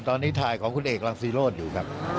ตอนนี้ถ่ายของคุณเอกรังซีโรธอยู่ครับ